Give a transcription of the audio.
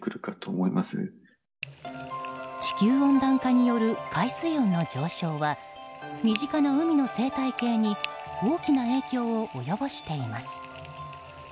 地球温暖化による海水温の上昇は身近な海の生態系に大きな影響を及ぼしています。